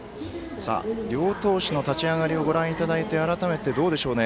両投手の立ち上がりをご覧いただいて改めてどうでしょうか。